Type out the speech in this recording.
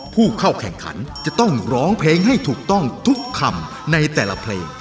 ผู้เข้าแข่งขันจะต้องร้องเพลงให้ถูกต้องทุกคำในแต่ละเพลง